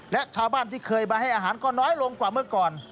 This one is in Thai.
และชาวบ้านที่เคยมาให้อาหารก็น้อยลงกว่าเมื่อก่อน